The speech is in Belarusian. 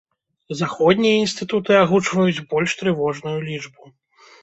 Заходнія інстытуты агучваюць больш трывожную лічбу.